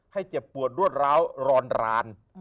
เจ็บปวดรวดร้าวร้อนราน